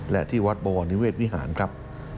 และที่วัดบวรนิเวศวิหารครับ